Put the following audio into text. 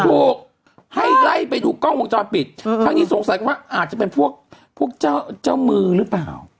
ถูกให้ไล่ไปดูกล้องวงจรปิดครั้งนี้สงสัยกันว่าอาจจะเป็นพวกเจ้าเจ้ามือหรือเปล่า